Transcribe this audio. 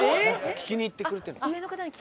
聞きに行ってくれてるの？